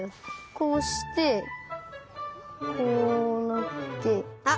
こうしてこうなってあっ！